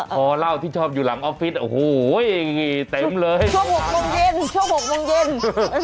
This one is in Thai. พอเหล้าที่ชอบอยู่หลังออฟฟิศโอ้โหเต็มเลยช่วง๖โมงเย็นช่วง๖โมงเย็น